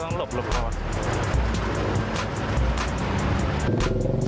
ต้องหลบหลบหลบ